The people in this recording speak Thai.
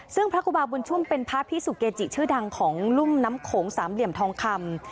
ซึ่งพระครูบาบุญชุ่มเป็นพระพิสุเกจิชื่อดังของรุ่มน้ำโขงสามเหลี่ยมทองคำ